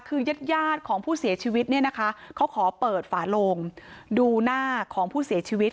คือยาดของผู้เสียชีวิตเนี่ยนะคะเขาขอเปิดฝาโลงดูหน้าของผู้เสียชีวิต